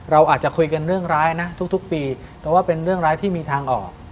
เราอาจจะคุยกันเรื่องร้ายนะทุกปีแต่ว่าเป็นเรื่องร้ายที่มีทางออก